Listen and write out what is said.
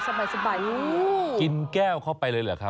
สบายกินแก้วเข้าไปเลยเหรอครับ